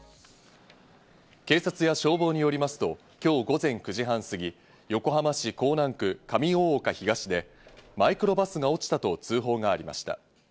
警察や消防によりますと今日午前９時半すぎ、横浜市港南区上大岡東でマイクロバスが落ちたと通報がありました。